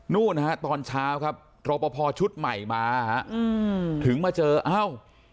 นู่นฮะตอนเช้าครับตรวปพอร์ชุดใหม่มาถึงมาเจออ้าว